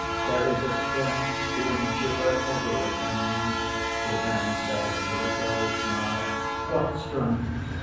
"There is a strength to endure everything," Ivan said with a cold smile. "What strength?"